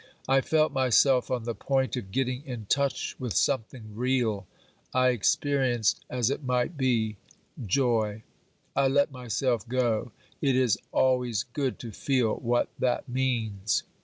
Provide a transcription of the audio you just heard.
I felt myself on the point of getting in touch with something real. I experienced, as it might be, joy. I let myself go ; it is always good to feel what that means.